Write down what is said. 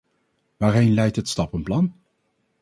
Waarheen leidt het stappenplan?